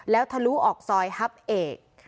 แล้วทะลุออกซอยฮับเอก